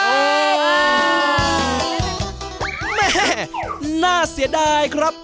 แม่น่าเสียดายครับ